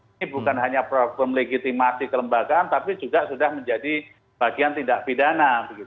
ini bukan hanya problem legitimasi kelembagaan tapi juga sudah menjadi bagian tindak pidana